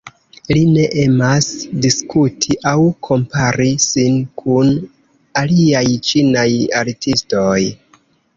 Li ne emas diskuti aŭ kompari sin kun aliaj ĉinaj artistoj.